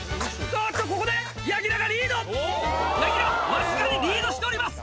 わずかにリードしております！